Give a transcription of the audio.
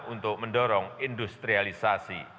untuk mendorong industrialisasi